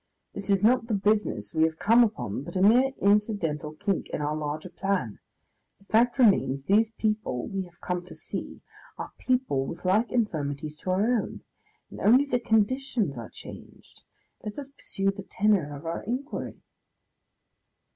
This is not the business we have come upon, but a mere incidental kink in our larger plan. The fact remains, these people we have come to see are people with like infirmities to our own and only the conditions are changed. Let us pursue the tenour of our inquiry."